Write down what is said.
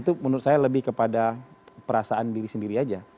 itu menurut saya lebih kepada perasaan diri sendiri aja